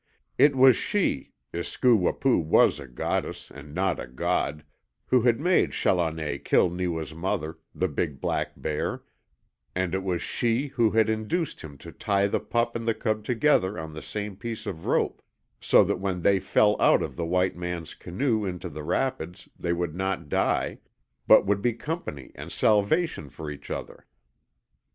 It was she Iskoo Wapoo was a goddess and not a god who had made Challoner kill Neewa's mother, the big black bear; and it was she who had induced him to tie the pup and the cub together on the same piece of rope, so that when they fell out of the white man's canoe into the rapids they would not die, but would be company and salvation for each other.